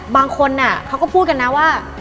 บางคนเขาก็พูดกันนะว่า